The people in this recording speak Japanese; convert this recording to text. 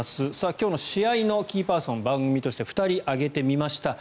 今日の試合のキーパーソン番組として２人挙げてみました。